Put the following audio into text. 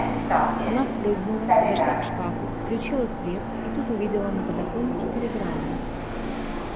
Она спрыгнула, подошла к шкафу, включила свет и тут увидела на подоконнике телеграммы.